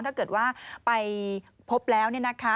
ถ้าเกิดว่าไปพบแล้วนี่นะคะ